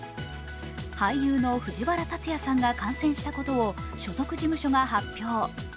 俳優の藤原竜也さんが感染したことを所属事務所が発表。